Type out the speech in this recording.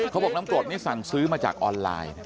เขาบอกน้ำกรดนี่สั่งซื้อมาจากออนไลน์